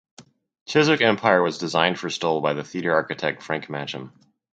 Chiswick Empire was designed for Stoll by the theatre architect Frank Matcham.